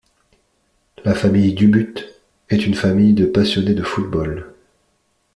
La famille Dubut est une famille de passionnés de football.